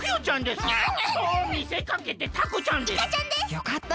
よかった！